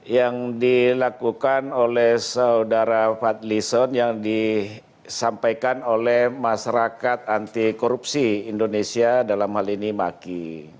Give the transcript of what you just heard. yang dilakukan oleh saudara fadlison yang disampaikan oleh masyarakat anti korupsi indonesia dalam hal ini maki